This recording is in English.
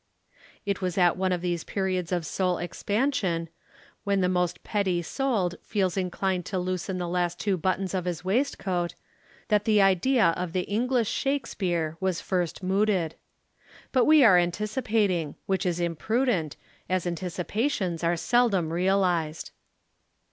It was at one of these periods of soul expansion, when the most petty souled feels inclined to loosen the last two buttons of his waistcoat, that the idea of the English Shakespeare was first mooted. But we are anticipating, which is imprudent, as anticipations are seldom realized.